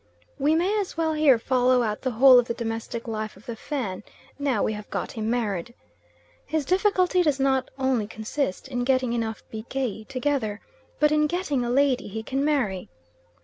We may as well here follow out the whole of the domestic life of the Fan, now we have got him married. His difficulty does not only consist in getting enough bikei together but in getting a lady he can marry.